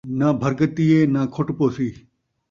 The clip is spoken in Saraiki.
ناں بھر گھتی ہے ، ناں کھٹ پوسی